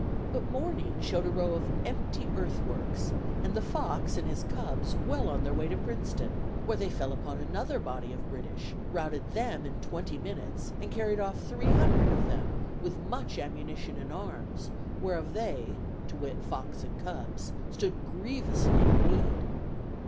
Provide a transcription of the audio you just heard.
But morning showed a row of empty earthworks, and the fox and his cubs well on their way to Princeton, where they fell upon another body of British, routed them in twenty minutes, and carried off three hundred of them, with much ammunition and arms, whereof they, to wit, fox and cubs, stood grievously in need.